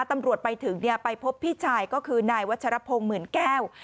ตำรวจไปถึงไปพบพี่ชายก็คือนายวัชรพงศ์หมื่นแก้ว